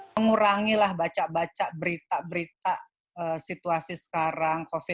mengurangilah baca baca berita berita situasi sekarang covid sembilan belas